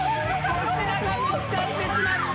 粗品が見つかってしまった。